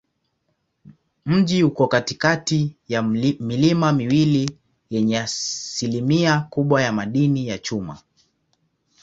Mji uko katikati ya milima miwili yenye asilimia kubwa ya madini ya chuma.